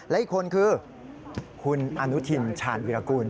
และอีกคนคือคุณอนุทินชาญวิรากุล